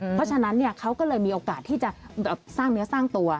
เพราะฉะนั้นเขาก็เลยมีโอกาสที่จะสร้างเนื้อสร้างตัว